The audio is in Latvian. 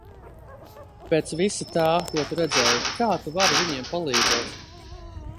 Pēc visa tā, ko tu redzēji, kā tu vari viņiem palīdzēt?